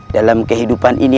dalam kehidupan ini